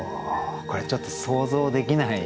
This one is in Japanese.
これちょっと想像できない。